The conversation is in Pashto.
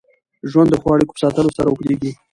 ژوند د ښو اړیکو په ساتلو سره اوږدېږي.